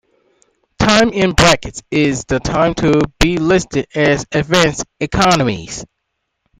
Time in brackets is the time to be listed as advanced economies.